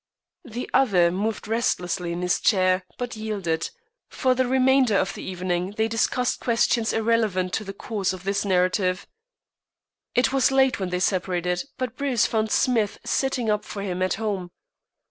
The other moved restlessly in his chair, but yielded. For the remainder of the evening they discussed questions irrelevant to the course of this narrative. It was late when they separated, but Bruce found Smith sitting up for him at home.